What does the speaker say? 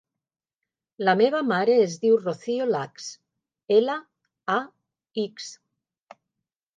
La meva mare es diu Rocío Lax: ela, a, ics.